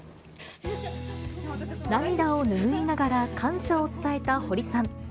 涙を拭いながら、感謝を伝えた堀さん。